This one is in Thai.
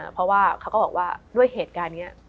เพราะว่าเขาก็บอกว่าด้วยเหตุการณ์นี้